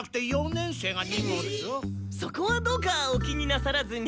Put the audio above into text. そこはどうかお気になさらずに。